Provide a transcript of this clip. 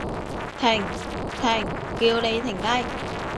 停！停！叫你停低！